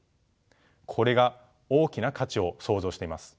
これが大きな価値を創造しています。